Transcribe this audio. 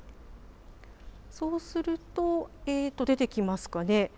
そうすると、出てきますかね。